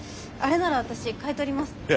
あれなら私買い取ります。